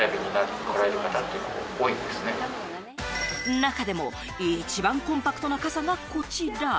中でも一番コンパクトな傘がこちら。